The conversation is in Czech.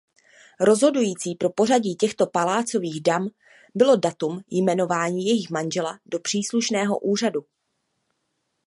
Rozhodující pro pořadí těchto palácových dam bylo datum jmenování jejich manžela do příslušného úřadu.